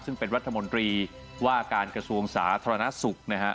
ซึ่งเป็นรัฐมนตรีว่าการกระทรวงสาธารณสุขนะฮะ